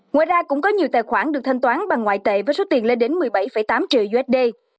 ngoài ra cũng có nhiều tài khoản được thanh toán bằng ngoại tệ với số tiền lên đến một mươi bảy tám triệu usd